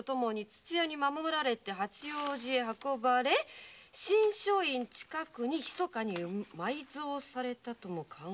土屋に守られて八王子へ運ばれて信松院近くにひそかに埋蔵されたとも考えられる。